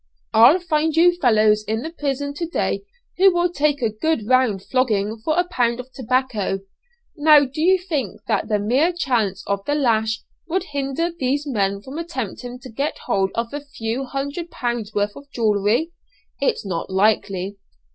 I'll find you fellows in the prison to day who will take a good round flogging for a pound of tobacco! now do you think that the mere chance of the lash would hinder these men from attempting to get hold of a few hundred pounds' worth of jewellery? It's not likely.